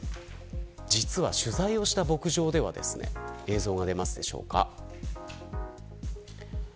取材をした牧場では映像が出ますでしょうか。